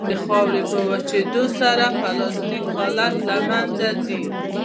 د خاورې په وچېدو سره پلاستیک حالت له منځه ځي